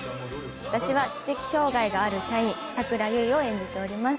私は知的障がいがある社員佐倉結を演じております。